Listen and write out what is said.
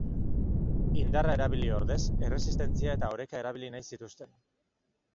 Indarra erabili ordez, erresistentzia eta oreka erabili nahi zituzten.